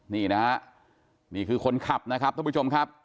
นี่นะฮะนี่คือคนขับนะครับท่านผู้ชมครับ